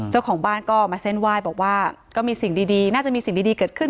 เจ้าของบ้านก็มาเส้นไหว้บอกว่าก็มีสิ่งดีน่าจะมีสิ่งดีเกิดขึ้น